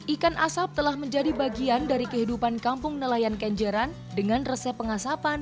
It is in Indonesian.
ikan asap telah menjadi bagian dari kehidupan kampung nelayan kenjeran dengan resep pengasapan